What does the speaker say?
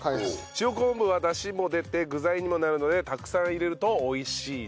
塩昆布はダシも出て具材にもなるのでたくさん入れると美味しいですよという。